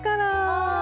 はい。